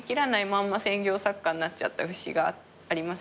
まんま専業作家になっちゃった節がありますね。